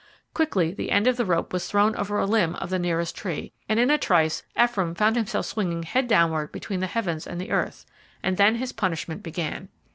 Quickly the end of the rope was thrown over a limb of the nearest tree, and in a trice Ephraim found himself swinging head downward between the heavens and the earth. And then his punishment began.